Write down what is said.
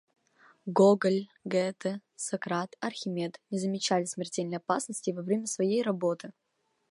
Гоголь, Гете, Сократ, Архимед не замечали смертельной опасности во время своей работы.